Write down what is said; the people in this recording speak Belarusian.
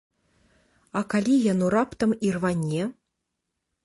А калі яно раптам ірване?